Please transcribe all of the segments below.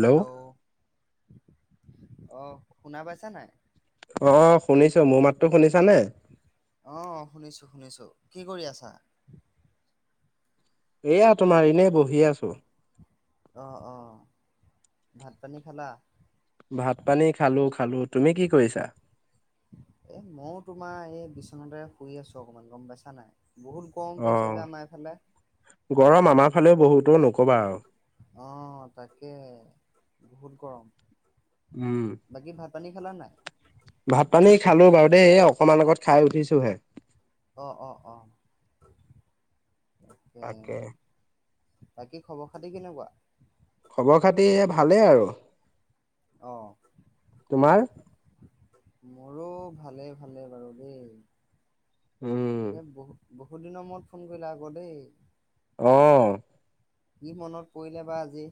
Hello, অ' শুনা পাইছা নাই। অ' শুনিছো মোৰ মাতটো শুনিছানে। অ শুনিছো শুনিছো কি কৰি আছা। এয়া তোমাৰ এনে বহি আছো। অ'- অ', ভাত পানী খালা। ভাত পানী খালো- খালো তুমি কি কৰিছা। এ মও তোমাৰ এই বিচনাতে শুই আছো অকমান গম পাইছা নাই। বহুত গৰম অ পৰিছে যে আমাৰ এইফালে। গৰম আমাৰ ফালেও বহুত এই নক'বা আৰু। অ' তাকে বহুত গৰম। উম। বাকী ভাত পানী খালা নাই। ভাত পানী খালো বাৰু দেই এই অকমান আগত খাই উঠিছো হে। অ' অ'- অ'। এ তাকে। বাকী খবৰ খাতি কেনেকুৱা। খবৰ খাতি ভালেই আৰু অ তোমাৰ। মোৰো ভালে- ভালে বাৰু দেই উম তাকে বহু বহুত দিনৰ মূৰত ফোন কৰিলা আকৌ দেই। অ'। কি মনত পৰিলে বা আজি।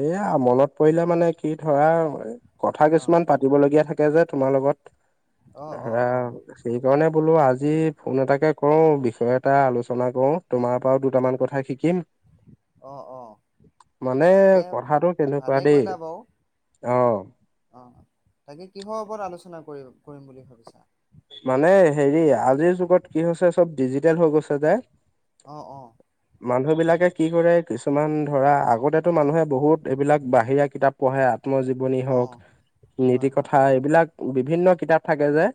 এয়া মনত পৰিলে মানে কি ধৰা কথা অ কিছুমান পাতিবলগীয়া থাকে যে তোমাৰ লগত, অ অ ধৰা অ সেই কাৰণে বোলো আজি ফোন এটাকে কৰোঁ বিষয় এটা আলোচনা কৰো, তোমাৰ পৰাও দুটামান কথা শিকিম। অ'- অ' মানে তাকে কথাটো তেনেকুৱা ভালে দেই, কৰিলা বাৰু অ'। অ' তাকে কিহৰ ওপৰত আলোচনা কৰি কৰিম বুলি ভাবিছা। মানে হেৰি আজিৰ যুগত কি হৈছে চব ডিজিটেল হৈ গৈছে যে। অ', অ', মানুহ বিলাকে কি কৰে কিছুমান ধৰা আগতেতো মানুহে বহুত এইবিলাক বাহিৰা কিতাপ পঢ়ে। আত্মজীৱনী অ', হওক হয়, নীতি হয়। কথা এইবিলাক বিভিন্ন কিতাপ থাকে যে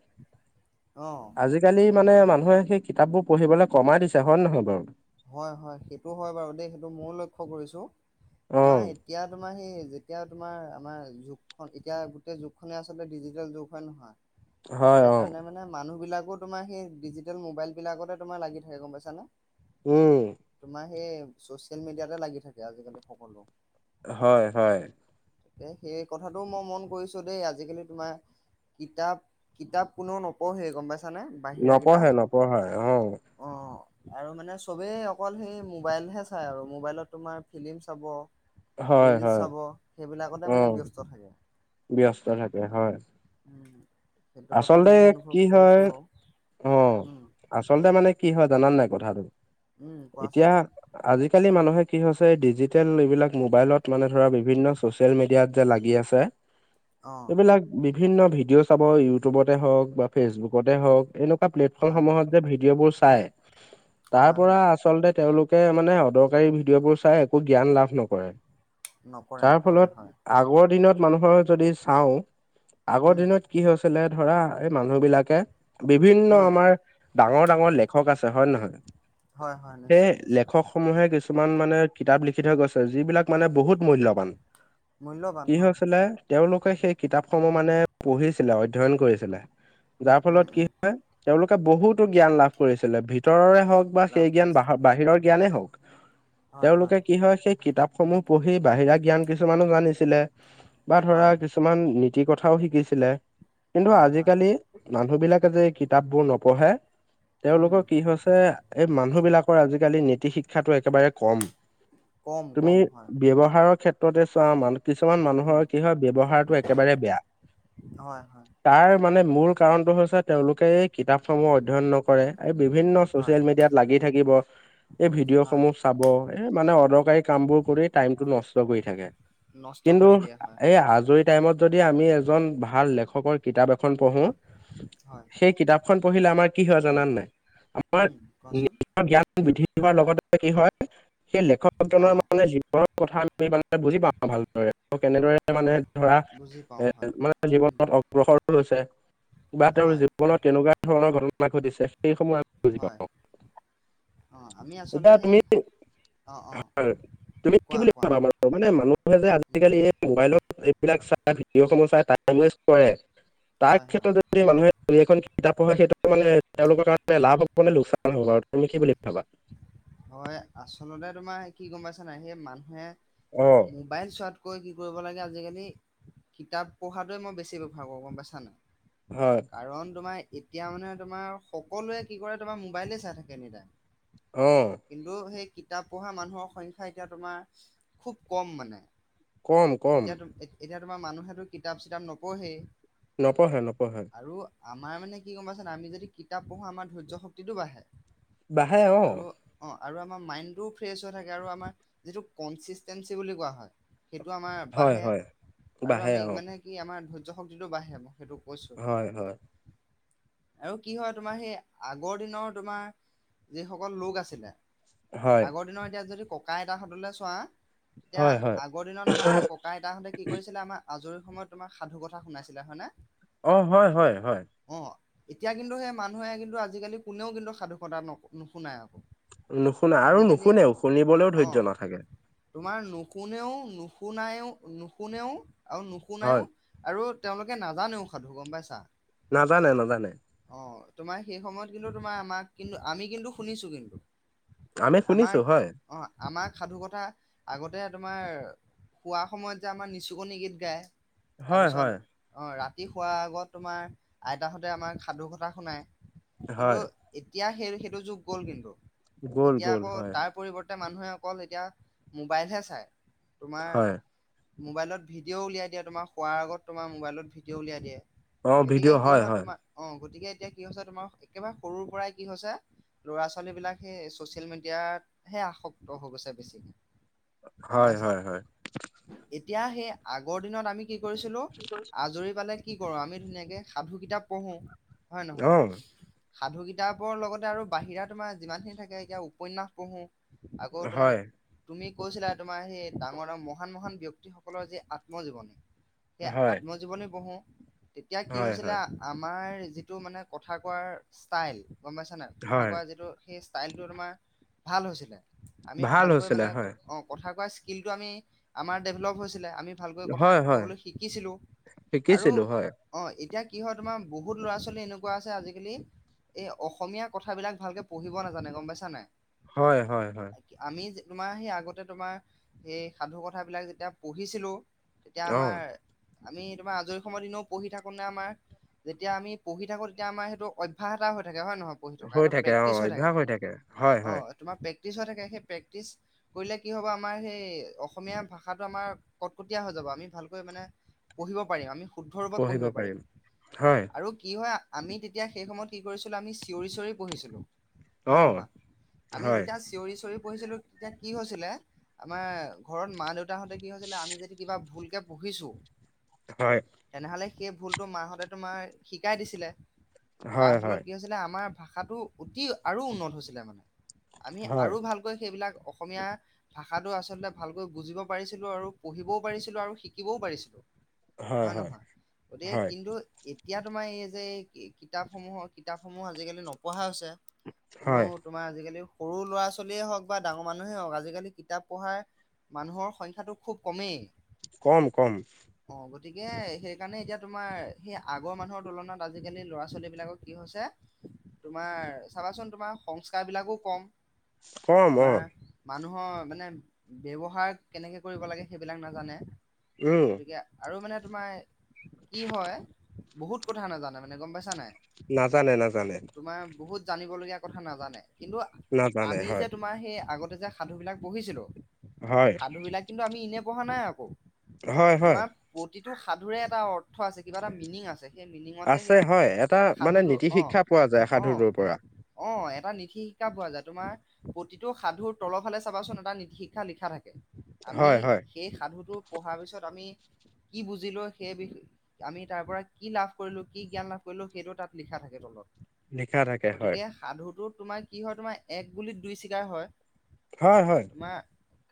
অ', আজিকালি মানে মানুহে সেই কিতাপবোৰ পঢ়িবলে কমাই দিছে হয়ে নহয় বাৰু। হয় হয় সেইটো হয় বাৰু দেই সেইটো ময়ো লক্ষ্য কৰিছো অ তোমাৰ এতিয়া তোমাৰ সেই যেতিয়া তোমাৰ আমাৰ যুগখন এতিয়া গোটেই যুগ খনে আচলতে ডিজিটেল যুগ হয় নহয় হয় অ সেইকাৰণে মানে মানুহ বিলাক তোমাৰ সেই ডিজিটেল মোবাইল বিলাকতে তোমাৰ লাগি থাকে গম পাইছানে। উম। সেয়ে চচিয়েল মিডিয়াতে লাগি থাকে আজিকালি সকলো। হয়, হয়। তে সেই কথাটো মই মন কৰিছো দেই আজিকালি তোমাৰ কিতাপ কিতাপ কোনেও নপঢ়ে গম পাইছ না নপঢ়ে, নপঢ়ে অ। অ আৰু মানে চবেই অকল সেই মোবাইলহে চাই আৰু মোবাইলত তোমাৰ ফিলিম চাব। হয় ৰীলচ হয় চাব সেইবিলাকতে অ মানে ব্যস্ত থাকে। ব্যস্ত থাকে, হয়। উম সেইটো কথা আচলতে মই কি অনুভৱ হয় কৰিছো বাৰু। অ উম আচলতে মানে কি হয় জানানে নাই কথাটো উম কোৱাচোন এতিয়া আজিকা কালি মানুহে কি হৈছে ডিজিটেল এইবিলাক মোবাইলত মানে ধৰা বিভিন্ন চচিয়েল মিডিয়াত যে লাগি আছে অ এইবিলাক বিভিন্ন ভিডিঅ' চাব ইউটিউবতে হওক বা ফেচবুকতে হওক এনে প্লেটফৰ্মত হয় হয় সমূহতযে ভিডিঅ' বোৰ চায় তাৰ হয় পৰা হয় আচলতে তেওঁলো মানে অদৰকাৰী ভিডিঅ' বোৰ চায় একো জ্ঞান লাভ নকৰে। নকৰে তাৰ নকৰে ফলত হয় আগৰ দিনত মানুহৰ যদি চাওঁ আগৰ উম দিনত কি হৈ ধৰা এই মানুহ বিলাকে বিভিন্ন উম আমাৰ ডাঙৰ ডাঙৰ লেখক আছে হয়নে নহয়। হয় হয় সেই নিশ্চয় নিশ্চয় লেখক সমূহে কিছুমান মানে কিতাপ লিখি থৈ গৈছে যিবিলাক মানে বহুত মূল্যবান মূল্যৱান কি হয় হৈছিলে তেওঁলোকে সেই কিতাপসমূহ মানে পঢ়ি অধ্যয়ন কৰিছিলে যাৰ উম ফলত কি উম তেওঁলোক বহুতো জ্ঞান লাভ কৰিছিলে ভিতৰৰে হওক বা লাভ সেই জ্ঞান বাহ কৰিছিলা বাহিৰৰ জ্ঞানেই হওক। তেওঁলোকে কি হয় সেই কিতাপ সমূহ পঢ়ি বাহিৰা জ্ঞান কিছুমানো জানিছিলে বা ধৰা হয় কিছুমান। কথাও শিকিছিলে কিন্তু হয় হয় আজিকালি। মানুহ বিলাকে যে কিতাপবোৰ নপঢ়ে উম তেওঁলোকৰ কি হৈছে এই মানুহ বিলাকৰ আজি আজিকালি নীতি শিক্ষাটো একেবাৰে কম কম তুমি কম হয় ব্যৱহাৰৰ ক্ষেত চা মান কিছুমান উম মানুহৰ কি হয় ব্যৱহাৰটো একেবাৰে বেয়া হয় হয় তাৰ মানে মূল কাৰণটো হৈছে তেওঁলোকে কিতাপসমূহ অধ্যয়ন নকৰে। কৰে এই বিভিন্ন হয় চচিয়েল মিডিয়াত লাগি থাকিব। এই ভিডিঅ' হয় সমূহ চাব এ মানে অদৰকাৰী কাম বোৰ কৰি টাইম টো নষ্ট কৰি থাকে নষ্ট কিন্তু কৰি দিয়ে হয় এই আজৰি টাইমত যদি আমি এজন ভাল লেখকৰ কিতাপ এখন পঢ়ো হয় সেই কিতাপখন পঢ়িলে আমাৰ কি হয় জান নাই আমাৰ উম কোৱাচোন নিজ জ্ঞান বৃদ্ধি পোৱাৰ লগতে কি হয় সেই অ লেখকজনৰ মানে যিনৰ কথা আমি মানে বুজি পাওঁ ভালদৰে কেনেদৰে মানে বু ধৰা বুজি পাওঁ হয় এ মানে উম জীৱনত অগ্ৰসৰ বা তেওঁৰ হয় জীৱনত কেনেকুৱা ধৰণৰ ঘটনা ঘটিছে। সেই সময় আমি বুজি হয় পাওঁ। অ, ' আমি এতিয়া আচলতে তুমি সেই অ, অ। তুমি কি কোৱা বুলি কোৱা ভাবাৰ মানে মানুহে যে উম আজিকালি এই মোবাইলত এইবিলাক চাই ভিডিঅ'সমূহ চাই কৰে তাৰ হয় হয় ক্ষেত্ৰত যদি মানুহে এখন কিতাপ পঢ়া সেইটো মানে তেওঁলোকৰ কাৰণে লাভ হবানে লোকচান হ'ব আৰু তুমি কি বুলি ভাবা। হয়, আচলতে তোমাৰ কি গম পাইছানে নাই, সেই মানুহে অ'। মোবাইল চোৱাত কৈ কি কৰিব লাগে আজিকালি কিতাপ পঢ়টোৱে মই বেছি প্ৰিফাৰ কৰো গম পাইছা নে নাই। হয়, কাৰণ তোমাৰ এতিয়া মানে তোমাৰ সকলোৱে কি কৰে তোমাৰ মোবাইলে চাই থাকে এনি টাইম। অঁ কিন্তু সেই কিতাপ পঢ়া মানুহৰ সংখ্যা এতিয়া তোমাৰ খুব কম মানে। কম কম। এতিয়া তুম এ এতিয়া তোমাৰ মানুহেতো কিতাপ-চিতাপ নপঢ়েই। নপঢ়ে নপঢ়ে। আৰু আমাৰ মানে কি গম পাইছানে নাই আমি যদি কিতাপ পঢ়ো আমাৰ ধৈৰ্য্য শক্তিটো বাঢ়ে। বাঢ়ে অ' আৰু অ আৰু আমাৰ মাইন বোৰো ফ্ৰেচ হৈ থাকে আৰু আমাৰ যিটো কনচিচটেনচি বুলি কোৱা হয় সেইটো আমাৰ হয় হয় বাঢ়ে আৰু বাঢ়ে আমি অ', মানে কি আমাৰ ধৈৰ্য্য শক্তিটো বাঢ়ে। সেইটো কৈছো হয় হয়। কথাটো। আৰু কি হয় তোমাৰ সেই আগৰ দিনৰ তোমাৰ যিসকল লোক আছিলে হয়, আগৰ দিনৰ এতিয়া যদি ককা-আইতাহঁতলৈ চোৱা এতিয়া হয় হয়। আগৰ দিনত আমাৰ সেই ককা-আইতাহঁতে কি কৰিছিলে আমাৰ আজৰি সময়ত তোমাৰ সাধুকথা শুনাইছিলে, হয়নে? অ হয় হয় হয় অ এতিয়া কিন্তু সেই মানুহে কিন্তু আজিকালি কোনেও কিন্তু সাধুকথা নকয় নুশুনাই আকৌ। নুশুনাই আৰু আজিকালি নুশুনেও শুনিবলৈও অ ধৈৰ্য্য নাথাকে। তোমাৰ নুশুনেও নুশুনায়ো নুশুনেও আৰু নুশুনায়ো হয়, আৰ তেওঁলোকে নাজানেও সাধু গম পাইছা। নাজানে নাজানে। অ তোমাৰ সেই সময়ত কিন্তু তোমাৰ আমাক কিন্তু আমি কিন্তু শুনিছো কিন্তু। আমি আমাক, শুনিছো হয়, অ আমাক সাধুকথা আগতে তোমাৰ শোৱা সময়ত যে আমাৰ নিচুকনি গীত গায় হয় তাৰপিছত হয়। অ' ৰাতি ৰাতি শোৱাৰ আগত তোমাৰ আইতাহঁতে আমাক সাধুকথা শুনায়, কিন্তু হয়, এতিয়া সেই সেইটো যুগ গ'ল কিন্তু, গ'ল এতিয়া গ'ল আকৌ হয় তাৰ পৰিৱৰ্তে মানুহে অকল এতিয়া মোবাইলহে চাই, তোমাৰ হয় মোবাইলত ভডিঅ' উলিয়াই দিয়ে তোমাৰ শোৱাৰ আগত তোমাৰ মোবাইলত ভিডিঅ' উলিয়াই দিয়ে। অ গতিকে ভিডিঅ' কি হয় তোমাৰ, অ' গতিকে এতিয়া কি হৈছে তোমাৰ একেবাৰে সৰুৰ পৰাই কি হৈছে? ল'ৰা-ছোৱালীবিলাক সেই চচিয়েল মিডিয়াতহে আসক্ত হৈ গৈছে বেছিকে। হয় হয় হয় এতিয়া সেই আগৰ দিনত আমি কি কৰিছিলো আজৰি পালে কি কৰো আমি ধুনীয়াকে সাধু কিতাপ পঢ়ো, হয়ে নহয়? অ' সাধু কিতাপৰ লগতে আৰু বাহিৰা তোমাৰ যিমানখিনি থাকে এতিয়া উপন্যাস পঢ়ো। আকৌ তুমি হয়। তুমি কৈছিলা তোমাৰ সেই ডাঙৰ, মহান মহান ব্যক্তিসকলৰ যি আত্মজীৱন সেই হয়, আত্মজীৱনী পঢ়ো। তেতিয়া কি হয়, হৈছিলে হয়, আ আমাৰ যিটো মানে কথা কোৱাৰ ষ্টাইল গম পাইছানে কথা হয়, কোৱা যিটো সেই ষ্টাইলটো তোমাৰ ভাল হৈছিলে, আমি ভাল ভালকৈ হৈছিলে মানে হয়, অ কথা কোৱাৰ ষ্টাইল স্কিলটো আমি আমাৰ ডেভেলপ হৈছে। আমি ভালকৈ কথা হয়, হয়, ক'বলৈ শিকিছিলো আৰু শিকিছিলো হয়, অ এতিয়া কি হয় তোমাৰ বহুত ল'ৰা-ছোৱালী এনেকুৱা আছে আজিকালি এই অসমীয়া কথাবিলাক ভালকে পঢ়িব নাজানে গম পাইছা নে নাই? হয় হয় হয় আমি তোমাৰ সেই আগতে তোমাৰ সেই সাধু কথাবিলাক যেতিয়া পঢ়িছিলো তেতিয়া আমাৰ অ', আমি তোমাৰ আজৰি সময়ত এনেও পঢ়ি থাকো নে আমাৰ যেতিয়া আমি পঢ়ি থাকো। তেতিয়া আমাৰ সেইটো অভ্যাস এটা হৈ থাকে। নহয়, নহয় পঢি থকি হৈ এইটো থাকে অ', প্ৰেক্টিছ হৈ থাকে। অভ্যাস হয়, হয়, প্ৰেক্টিছ হৈ থাকে। সেই প্ৰেক্টিচ কৰিলে কি হ'ব আমাৰ সেই অসমীয়া ভাষাটো আমাৰ কটকটীয়া হৈ যাব। আমি ভালকৈ মানে পঢ়িব পাৰিম। আমি শুদ্ধ ৰূপত পঢ়িব পাৰিম হয়, আৰু কি হয় আমি তেতিয়া সেই সময়ত কি কৰিছিলোঁ আমি চিঞৰি চিঞৰি পঢহিছিলোঁ। হয় অ', নহয় আমি হয়, যেতিয়া চিঞৰি চিঞৰি পঢ়িছিলো। তেতিয়া কি হৈছিলে আমাৰ ঘৰত মা দেউতাাহতে কি হৈছিলে আমি যদি কিবা ভুলকে পঢ়ি হয়, তেনেহলে সেই ভুলতো মাহতে তোমাৰ শিকাই দিছিলে। হয়, হয়, তাৰ হয়। ফলত কি হৈছিলে আমাৰ ভাষাটো অতি আৰু উন্নত হৈছিলে মানে। আমি আৰু ভালকৈ সেইবিলাক অসমীয়া ভাষাটো আচলতে ভালকৈ বুজিব পাৰিছিলো আৰু পঢ়িবও পাৰিছিলো আৰু শিকিবও পাৰিছিলো। হয় হয় গতিকে হয়, কিন্তু এতিয়া তোমাৰ এই যে এই কিতাপ সমূহৰ কিতাপ সমূহ আজিকালি নপঢ়া হৈছে। কোনো হয়, তোমাৰ আজিকালি সৰু ল'ৰা ছোৱালীয়ে হওক বা ডাঙৰ মানুহেই হওক আজিকালি কিতাপ পঢ়াৰ মানুহৰ সংখ্যটো খুব কমেই। কম কম অ গতিকে সেই সেইকাৰণে এতিয়া তোমাৰ সেই আগৰ মানুহৰ তুলনাত আজিকালি ল'ৰা ছোৱালী বিলাকৰ কি হৈছে তোমাৰ চাবাচোন তোমাৰ সংস্কাৰ বিলাকো কম কম অ', তোমাৰ মানুহৰ মানে ব্যৱহাৰ কেনেকে কৰিব লাগে সেইবিলাক নাজানে। উম, গতিকে আৰু মানে তোমাৰ কি হয় বহুত কথা নাজানে মানে গম পাইছো। নাজানে নাজানে। জানিব লগগীয়া কথা নাজানে কিন্তু নাজানে আমি যে হয়, তোমাৰ সেই আগতে যে সাধু বিলাক পঢহিছিলো হয়, সাধু বিলাক কিন্তু আমি ইনে পঢ়া নাই আকৌ হয়, হয়, তোমাৰ প্ৰতিটো সাধুৰে এটা অৰ্থ আছে। কিবা এটা মিনিং আছে। সেই মিনিঙতহে আছে সেই হয়, এটা মানে সাধুটো নীতি অ' শিক্ষা পোৱা যায় অ' সাধুটোৰ পৰা, অ এটা নীতি শিক্ষা পোৱা যায়। তোমাৰ প্ৰতিটো সাধুৰ তলৰফালে চাবাচোন এটা নীতি শিক্ষা লিখা থাকে। আমি হয়, হয়, সেই সাধুটো পঢ়াৰ পিছত আমি কি বুজিলো। সেই বি আমি তাৰ পৰা কি লাভ কৰিলো। কি জ্ঞান লাভ কৰিলো সেইটো তাত লিখা থাকে তলত। লিখা থাকে হয়। গতিকে সাধুটো তোমাৰ কি হয়। তোমাৰ এক গুলিত দুই চিকাৰ হয়। হয় হয় তোমাৰ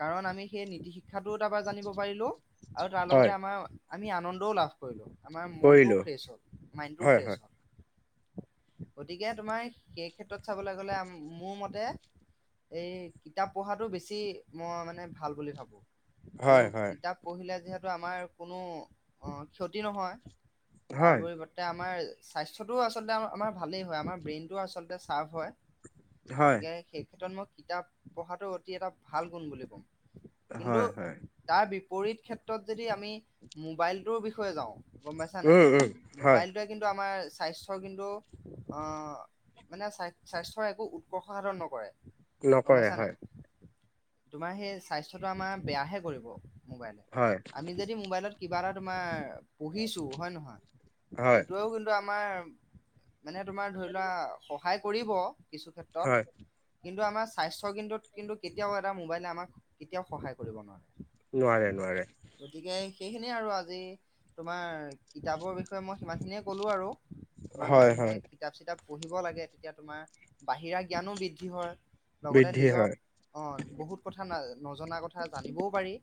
কাৰণ আমি সেই নীতি শিক্ষাটোও তাৰপ পৰা জানিব পাৰিলো। আৰু তাৰ হয়। লগতে আমাৰ আমি আনন্দ লাভ কৰিলোঁ। আমাৰ কৰিলো মনটোও ফ্ৰেছ হ'ল মাইডটো হয় ফ্ৰেছ হয় হ'ল। গতিকে তোমাৰ সেই ক্ষেত্ৰত চাবলৈ গলে আমি মোৰ মতে এই কিতাপ পঢ়াতটো বেছি মই মানে ভাল বুলি ভাবো। আৰু হয় হয় কিতাপ পঢ়িলে যিহেতু আমাৰ কোনো অ ক্ষতি নহয়। তাৰ হয় পৰিৱৰ্তে আমাৰ স্বাছ্ৰটোও আচলতে আমাৰ ভালেই হয়। আমাৰ ব্ৰেইনটোও আচলতে চাৰ্প হয়। হয় গতিকে সেই ক্ষ্ৰত মই কিতাপ পঢ়াটো অতি এটা ভাল গুণ বুলি কম কিন্তু হয় হয় তাৰ পৰিত ক্ষেত্ৰত যদি আমি মোবাইলটোৰ বিষয়ে যাওঁ গম পাইছা নাই। উম উম হয় মোবাইলটোৱে কিন্তু আমাৰ স্বাস্থ্যৰ কিন্তু মানে স্বাস্থ্যৰ একো উৎকৰ্ষ সাধন নকৰে। গম নকৰে পাইছা নাই হয়। তোমাৰ সেই স্বাস্থ্যটো আমাৰ বেয়াহে কৰিব। মো'বাইলে হয় আমি যদি মোবাইলত কিবা এটা তোমাৰ পঢ়িছো হয়ে নহয়। হয় সেইটোোৱেও কিন্তু আমাৰ মানে তোমাৰ ধৰি লোৱা সহায় কৰিব কিছু হয় ক্ষেত্ৰত। কিন্তু আমাৰ স্বাস্থ্যৰ কিন্তত কিন্তু কেতিয়াও এটা মো'বাইলে আমাক কেতিয়াও সহায় কৰিব নোৱাৰে। নোৱাৰে নোৱাৰে। গতিকে সেইখিনিয়ে আৰু আজি তোমাৰ কিতাপৰ বিষয়ে মই সিমান খিনিয়ে ক'লো আৰু তোমাৰ হয় মানুহে হয় কিতাপ- চিতাপ। পঢ়িব লাগে তেতিয়া তোমাৰ বাহিৰা জ্ঞানো বৃদ্ধি হয়। লগতে বৃদ্ধি নিজৰ হয়। অ' বহুত কথা ন নজনা কথা জানিবও পাৰি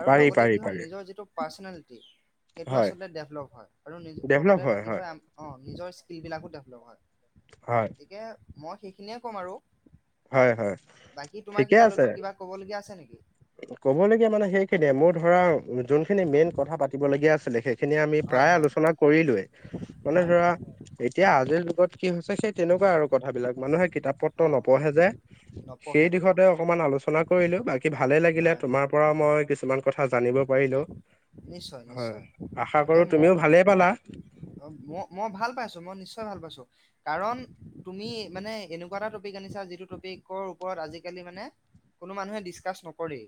আৰু পাৰি লগতে পাৰি কি হয় পাৰি নিজৰ যিটো পাৰ্চ সেইটো হয় আচলতে ডেভলপ হয় আৰু লগতে কি হয় আমি অ' নিজৰ স্কিলবিলাকো ডেভেলপ হয়, হয় গতিকে মই সেইখিনিয়ে ক'ম আৰু হয় হয় বাকী তোমাৰ ঠিকে কিবা আছে কিবা ক'ব লগীয়া আছে নেকি? ক'বলগীয়া মানে সেইখিনিয়ে মোৰ ধৰা যোনখিনি অ মেইন কথা পাতিব লগীয়া আছিলে সেই খিনি আমি হয় প্ৰায় হয় আলোচনা কৰিলোয়ে মানে হয় ধৰা হয় এতিয়া আজিৰ ত' কি হৈছে সেই তেনেকুৱা আৰু কথাবিলাক মানুহে অ কিতাপ-পত্ৰ নপঢ়ে যে নপঢ়ে সেই দিশতে নপঢ়ে অকমান আলোচনা কৰিলো বাকি ভালে লাগিলে হয় তোমাৰ পৰা মই কিছুমান কথা জানিব পাৰিলো নিশ্চয় হয়, নিশ্চয় আশা তাকে কৰো মোৰ তুমিও ভালেই পালা। ম মই ভাল পাইছো, মই নিশ্চয় ভাল পাইছো, কাৰণ তুমি মানে এনেকুৱা এটা টপিক যিটো টপিকৰ ওপৰত আজিকালি মানে কোনো মানুহে ডিচকাচ নকৰে।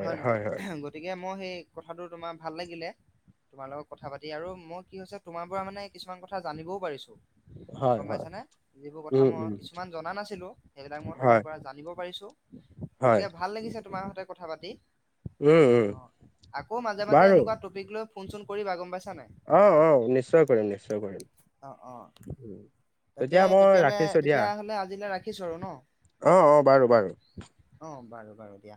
হয়, নহয় গতিকে মই সেই কথাটো তোমাৰ ভাল লাগিলে তোমাৰ লগত কথা পাতি আৰু মই কি হৈছে তোমাৰ পৰা মানে কিছুমান কথা জানিবও পাৰিছো। হয়। গম হয় পাইছানে যিবোৰ কথা উম উম মই কিছুমান জনা নাছিলো, সেইবিলাক মই হয় তোমাৰ পৰা জানিব পাৰিছো। গতিকে ভাল লাগিছে, তোমাৰ সতে কথা পাতি উম-উম। অ', আকৌ মাজে-মাজে এনেকুৱা টপিক লৈ ফোন- চোন কৰিবা গম পাইছা নাই? অ', -অ' নিশ্চয় কৰিম, নিশ্চয় কৰিম। অ', -অ'। উম, তাকে মই তেতিয়া হ'লে, ৰাখিছো দিয়া তেতিয়া হ'লে আজিলৈ ৰাখিছো আৰু অ অ বাৰু বাৰু ন'। অ' বাৰু-বাৰু দিয়া।